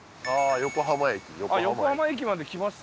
横浜駅横浜駅まで来ました？